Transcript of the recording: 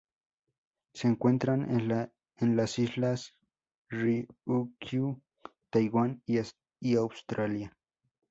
Se encuentran en las Islas Ryukyu, Taiwán y Australia.